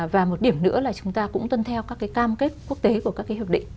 và một điểm nữa là chúng ta cũng tuân theo các cam kết quốc tế của các hiệp định